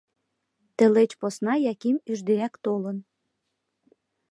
Тылеч посна Яким ӱждеак толын.